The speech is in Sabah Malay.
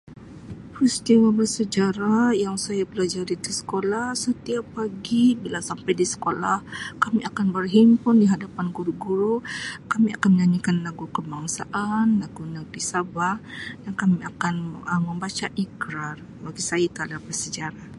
Peristiwa bersejarah yang saya pelajari di sekolah setiap pagi bila sampai di sekolah kami akan berhimpun di hadapan guru-guru kami akan menyanyikan lagu kebangsaan lagu negeri Sabah dan kami akan Um membaca Ikrar bagi saya itu ialah peristiwa bersejarah.